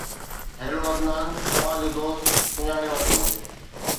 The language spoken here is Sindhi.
هيلو عدنان، توهان جو دوست، سڃاڻي ورتو؟